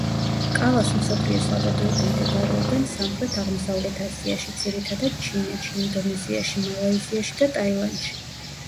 კალას მსოფლიო საბადოები მდებარეობენ სამხრეთ-აღმოსავლეთ აზიაში, ძირითადად ჩინეთში, ინდონეზიაში, მალაიზიაში და ტაილანდში.